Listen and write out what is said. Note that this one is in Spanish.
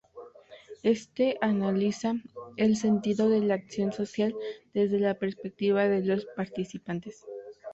Éste analiza "el sentido de la acción social desde la perspectiva de los participantes".